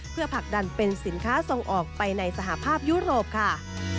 เพื่อผลักดันเป็นสินค้าส่งออกไปในสหภาพยุโรปค่ะ